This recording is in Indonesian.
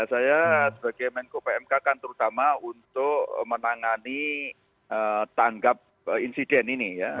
saya sebagai menko pmk kan terutama untuk menangani tanggap insiden ini ya